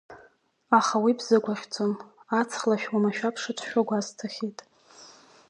Аха уи бзыгәаӷьӡом, аҵх лашә уамашәа бшацәшәо гәасҭахьеит.